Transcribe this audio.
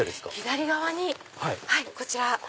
左側にこちら。